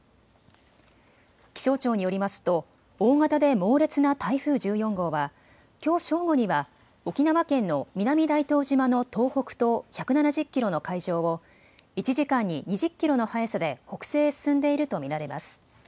気象庁によりますと大型で猛烈な台風１４号はきょう正午には沖縄県の南大東島の東北東１７０キロの海上を１時間に２０キロの速さで北西へ進んでいると見られます。